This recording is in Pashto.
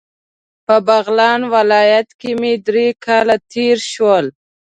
په بغلان ولایت کې مې درې کاله تیر شول.